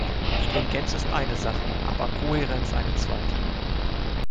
Stringenz ist eine Sache, aber Kohärenz eine zweite.